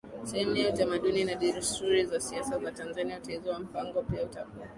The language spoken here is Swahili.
sehemu ya utamaduni na desturi ya siasa za TanzaniaUteuzi wa Mpango pia utakuwa